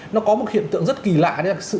nó có một hiện tượng rất kỳ lạ đấy là sự